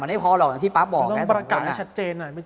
ไม่ได้พอหรอกที่ป๊าบอกแก๒เคั้ย